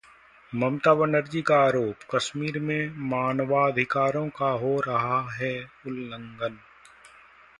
ममता बनर्जी का आरोप- कश्मीर में मानवाधिकारों का हो रहा है उल्लंघन